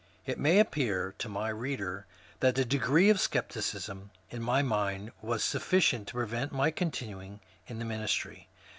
It may appear to my reader that the degree of scepticism in my mind was sufficient to prevent my continuing in the ministry.